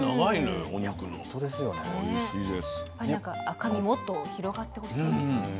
赤身もっと広がってほしいですね。